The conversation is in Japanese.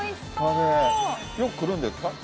よく来るんですか？